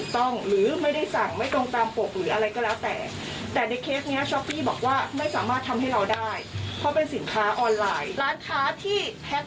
น้องคนนี้ก็โดนร้านเดียวกว่านุก็มี